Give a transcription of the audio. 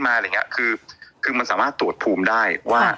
มันจะแผ่นที่สามารถตรวจภูมิได้ว่า